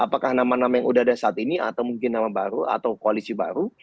apakah nama nama yang sudah ada saat ini atau mungkin nama baru atau koalisi baru